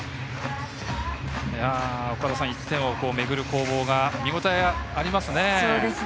岡田さん、１点をめぐる攻防が見応えありますね。